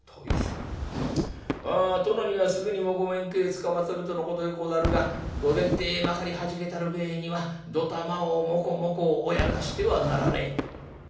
殿にはすぐにもご面会つかまつるとのことでござるが御前体まかりはじけたる上にはどたまをもこもこおやかしてはならねえ」。